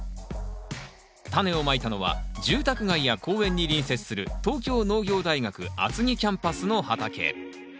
タネをまいたのは住宅街や公園に隣接する東京農業大学厚木キャンパスの畑。